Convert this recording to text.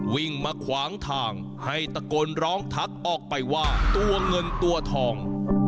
วิ่งมาขวางทางให้ตะโกนร้องทักออกไปว่าตัวเงินตัวทอง